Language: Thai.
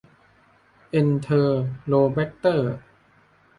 เอนเทอโรแบกเตอร์